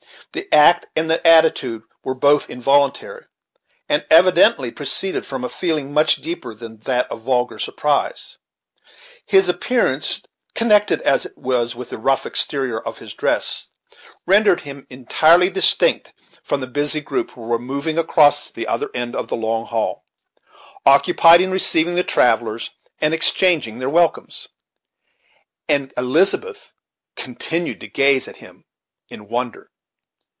The act and the attitude were both involuntary, and evidently proceeded from a feeling much deeper than that of vulgar surprise. His appearance, connected as it was with the rough exterior of his dress, rendered him entirely distinct from the busy group that were moving across the other end of the long hall, occupied in receiving the travellers and exchanging their welcomes; and Elizabeth continued to gaze at him in wonder.